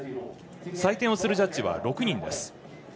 採点をするジャッジは６人です。